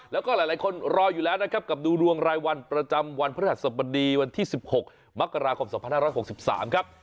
แล้วก็หลายคนรออยู่แล้วนะครับกับดูดวงรายวันประจำวันพระธรรมดีวันที่๑๖มกราคม๒๕๖๓ครับ